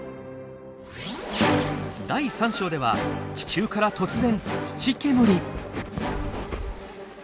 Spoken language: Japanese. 第３章では地中から突然土煙！